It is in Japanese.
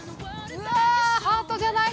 うわっ、ハートじゃない？